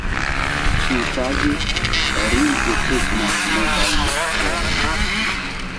Ĉiutage, ri desegnas novajn aferojn.